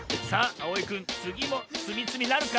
あおいくんつぎもつみつみなるか？